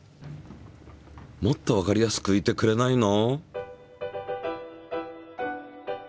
もっとわかりやすくういてくれないの？